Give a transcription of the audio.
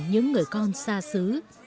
những người con xa xứ